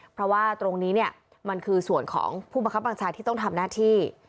เพราะว่าตรงนี้เนี่ยมันคือส่วนของผู้บังคับบัญชาที่ต้องทำหน้าที่